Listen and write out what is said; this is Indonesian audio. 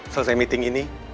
selesai meeting ini